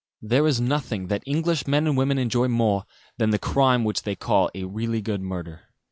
There is nothing that English men and women enjoy more than the crime which they call "a really good murder."